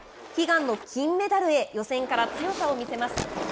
悲願の金メダルへ、予選から強さを見せます。